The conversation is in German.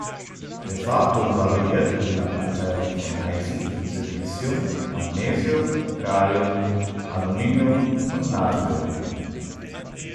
Der Farbton variiert je nach Anteilen von Eisen, Silicium, Magnesium, Kalium, Aluminium und Natrium.